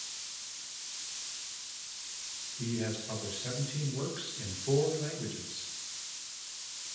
He has published seventeen works in four languages.